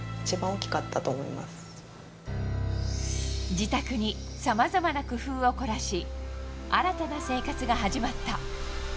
自宅にさまざまな工夫を凝らし新たな生活が始まった。